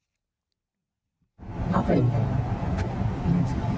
アプリみたいなの、ないんですかね？